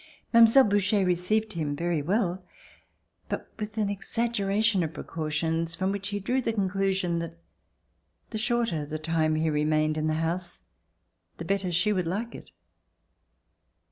Mile. Boucher received him very well but with an exaggeration of precautions from which he drew the conclusion that the shorter the time he remained in the house the better she would like it.